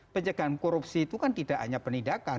pencegahan korupsi itu kan tidak hanya penindakan